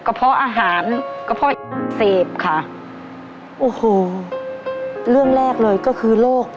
เพาะอาหารกระเพาะเสพค่ะโอ้โหเรื่องแรกเลยก็คือโรค